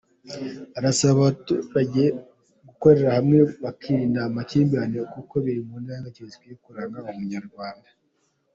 Arasaba abaturage gukorera hamwe, bakirinda amakimbirane kuko biri mu ndagagaciro zikwiye kuranga buri munyarwanda.